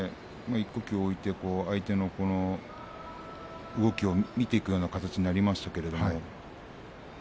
一呼吸置いて相手の動きを見ていくような形になりました。